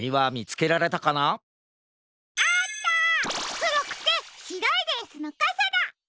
くろくてしろいレースのかさだ！